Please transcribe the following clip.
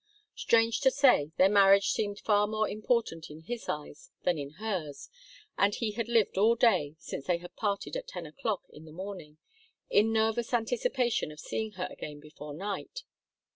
Strange to say, their marriage seemed far more important in his eyes than in hers, and he had lived all day, since they had parted at ten o'clock in the morning, in nervous anticipation of seeing her again before night.